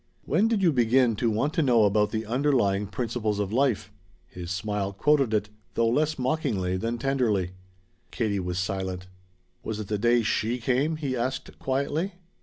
"When did you begin to want to know about the 'underlying principles of life'?" His smile quoted it, though less mockingly than tenderly. Katie was silent. "Was it the day she came?" he asked quietly.